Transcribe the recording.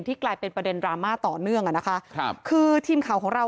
กลายเป็นประเด็นดราม่าต่อเนื่องอ่ะนะคะครับคือทีมข่าวของเรา